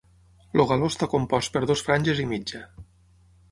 El galó està compost per dues franges i mitja.